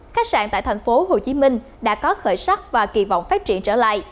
khách sạn tại tp hcm đã có khởi sắc và kỳ vọng phát triển trở lại